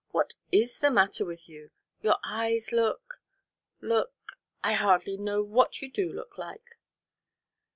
What is the matter with you? Your eyes look look I hardly know what you do look like."